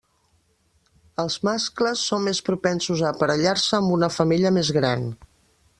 Els mascles són més propensos a aparellar-se amb una femella més gran.